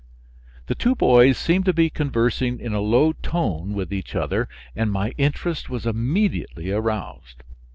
The two boys seemed to be conversing in a low tone with each other and my interest was immediately aroused.